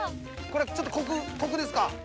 これちょっとコクですか？